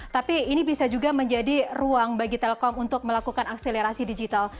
tapi ini bisa juga menjadi ruang bagi telkom untuk melakukan akselerasi digital